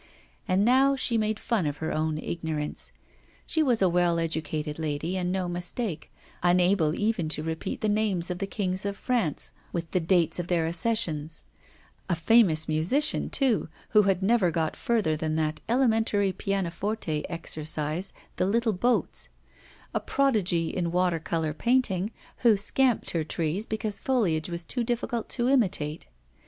And now she made fun of her own ignorance; she was a well educated young lady, and no mistake, unable even to repeat the names of the Kings of France, with the dates of their accessions; a famous musician too, who had never got further than that elementary pianoforte exercise, 'The little boats'; a prodigy in water colour painting, who scamped her trees because foliage was too difficult to imitate.